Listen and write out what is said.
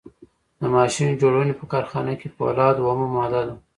د ماشین جوړونې په کارخانه کې فولاد اومه ماده ده.